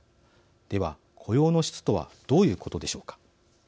では雇用の質とはどういうことでしょうか。